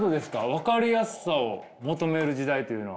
分かりやすさを求める時代というのは？